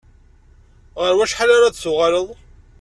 Ɣef wacḥal ara d-tuɣaleḍ?